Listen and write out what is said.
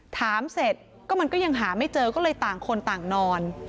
ถามเสร็จก็มันก็ยังหาไม่เจอก็เลยต่างคนต่างนอน